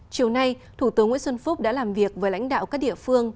chiều nay thủ tướng nguyễn xuân phúc đã làm việc với lãnh đạo các địa phương